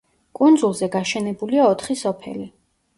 კუნძულზე გაშენებულია ოთხი სოფელი.